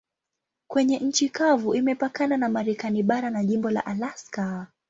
Kwenye nchi kavu imepakana na Marekani bara na jimbo la Alaska.